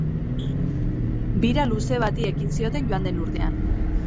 Bira luze bati ekin zioten joan den urtean.